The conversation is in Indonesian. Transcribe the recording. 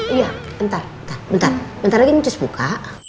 iya bentar bentar bentar lagi nih cus buka